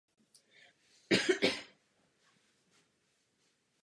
S tím souvisela i poptávka po dílech určených pro toto těleso.